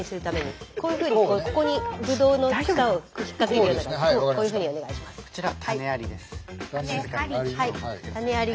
こういうふうにお願いします。